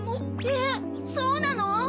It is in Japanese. えっそうなの？